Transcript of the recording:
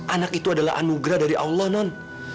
anak itu adalah anugerah dari allah non